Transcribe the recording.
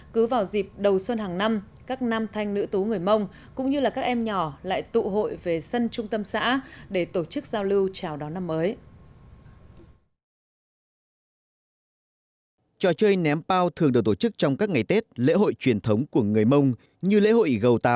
cứ vào dịp đầu xuân hàng năm các nam thanh nữ tú người mông cũng như là các em nhỏ lại tụ hội về sân trung tâm xã để tổ chức giao lưu chào đón năm mới